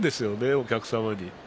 お客様に。